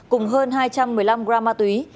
cùng hơn hai trăm một mươi năm gram ma túy